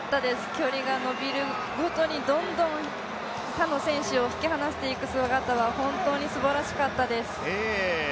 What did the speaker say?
距離が延びるごとにどんどん他の選手を引き離していく姿は本当にすばらしかったです。